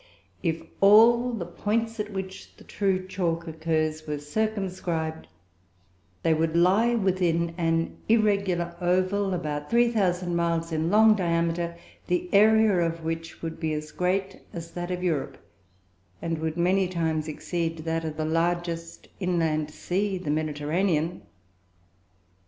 If all the points at which true chalk occurs were circumscribed, they would lie within an irregular oval about 3,000 miles in long diameter the area of which would be as great as that of Europe, and would many times exceed that of the largest existing inland sea the Mediterranean.